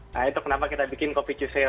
nah itu kenapa kita bikin kopi cuse